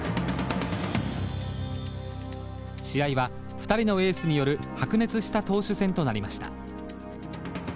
試合は２人のエースによる白熱した投手戦となりました。